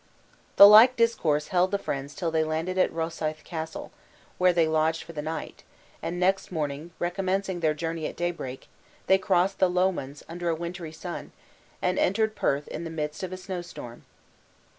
The like discourse held the friends till they landed at Roseyth Castle, where they lodged for the night; and next morning recommencing their journey at daybreak, they crossed the Lomonds under a wintery sun, and entered Perth in the midst of a snow storm.